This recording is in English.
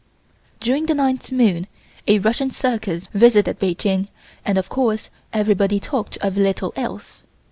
During the ninth moon a Russian circus visited Peking and of course everybody talked of little else.